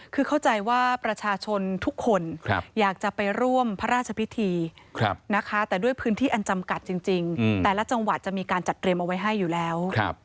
คือเข้าใจว่าประชาชนทุกคนอยากจะไปร่วมพระราชพิธีนะคะแต่ด้วยพื้นที่อันจำกัดจริงแต่ละจังหวัดจะมีการจัดเตรียมเอาไว้ให้อยู่แล้ว